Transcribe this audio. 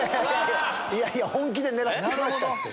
いやいや、本気で狙ってましたって。